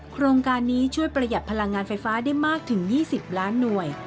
โครงการนี้ช่วยประหยัดพลังงานไฟฟ้าได้มากถึง๒๐ล้านหน่วย